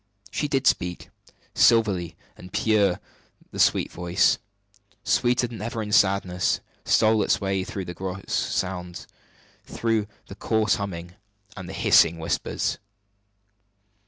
She did speak. Silvery and pure the sweet voice, sweeter than ever in sadness, stole its way through the gross sounds through the coarse humming and the hissing whispers.